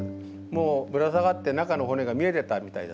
もうぶら下がって中のほねが見えてたみたいですね。